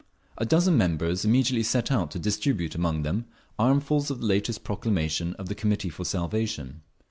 A dozen members immediately set out to distribute among them armfuls of the latest proclamation of the Committee for Salvation.